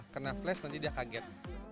kena flash nanti dia kaget